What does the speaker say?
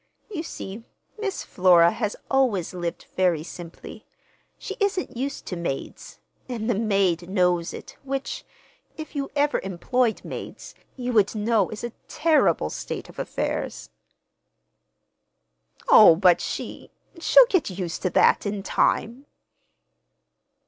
You see, Miss Flora has always lived very simply. She isn't used to maids—and the maid knows it, which, if you ever employed maids, you would know is a terrible state of affairs." "Oh, but she—she'll get used to that, in time."